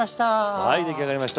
はい出来上がりました。